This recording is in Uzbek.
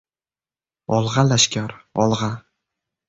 — Olg‘a, lashkar, olg‘a!